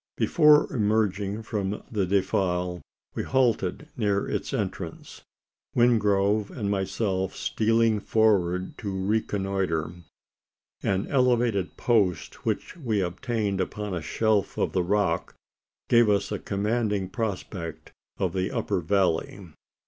Before emerging from the defile, we halted near its entrance Wingrove and myself stealing forward to reconnoitre. An elevated post which we obtained upon a shelf of the rock gave us a commanding prospect of the upper valley.